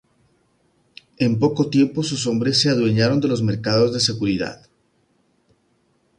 En poco tiempo sus hombres se adueñaron de los mercados de seguridad.